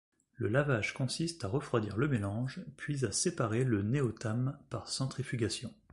Le lavage consiste à refroidir le mélange, puis à séparer le néotame par centrifugation.